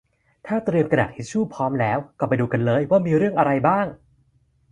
ถ้าเตรียมกระดาษทิชชูพร้อมแล้วก็ไปดูกันเลยว่ามีเรื่องอะไรบ้าง